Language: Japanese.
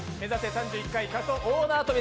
３１回仮装大縄跳び！